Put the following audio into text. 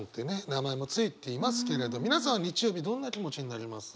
名前もついていますけれど皆さん日曜日どんな気持ちになります？